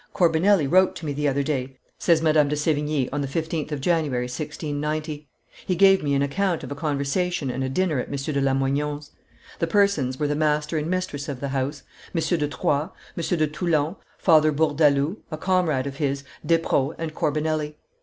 "Corbinelli wrote to me the other day," says Madame de Sevigne, on the 15th of January, 1690: "he gave me an account of a conversation and a dinner at M. de Lamoignon's: the persons were the master and mistress of the house, M. de Troyes, M. de Toulon, Father Bourdaloue, a comrade of his, Desprdaux, and Corbinelli.